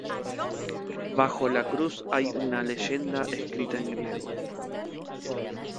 Bajo la cruz hay una leyenda escrita en griego.